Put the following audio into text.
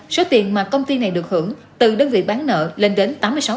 số tiền mà công ty này được hưởng từ đơn vị bán nợ lên đến tám mươi sáu